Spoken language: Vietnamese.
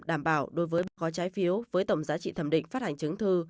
đảm bảo đối với ba gói trái phiếu với tổng giá trị thẩm định phát hành chứng thư